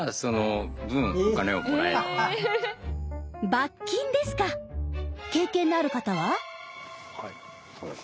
罰金ですか⁉経験のある方は？